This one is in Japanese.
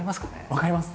分かります？